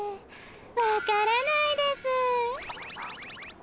わからないです。